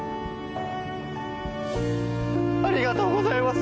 ありがとうございます！